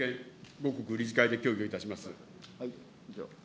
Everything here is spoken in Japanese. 後刻、理事会で協議いたします。